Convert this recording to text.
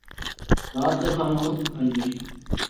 رات کا کھانا خود پکائیں گے